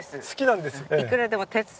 好きなんです。